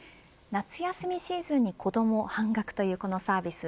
夏休みシーズンに子ども半額というこのサービス